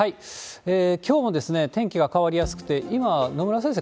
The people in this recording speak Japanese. きょうも天気が変わりやすくて、今、野村先生、